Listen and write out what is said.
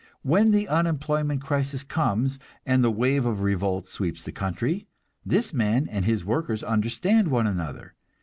When the unemployment crisis comes and the wave of revolt sweeps the country, this man and his workers understand one another.